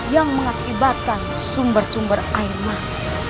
yang mengakibatkan sumber sumber air mah